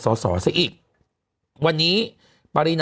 มันติดคุกออกไปออกมาได้สองเดือน